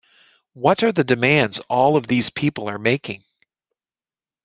What are the demands all of these people are making?